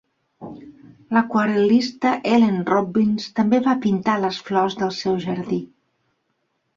L'aquarel·lista Ellen Robbins també va pintar les flors del seu jardí.